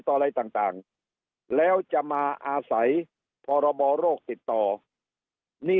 อะไรต่างแล้วจะมาอาศัยพรบโรคติดต่อนี่